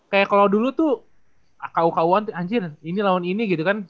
kayak kalau dulu tuh ku kuan anjir ini lawan ini gitu kan